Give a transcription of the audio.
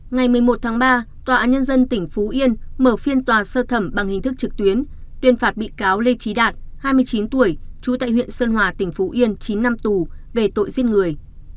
ngày một mươi một tháng ba tòa án nhân dân tỉnh phú yên mở phiên tòa sơ thẩm bằng hình thức trực tuyến tuyên phạt bị cáo lê trí đạt hai mươi chín tuổi trú tại huyện sơn hòa tỉnh phú yên chín năm tù về tội giết người